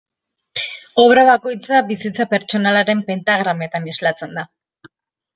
Obra bakoitza bizitza pertsonalaren pentagrametan islatzen da.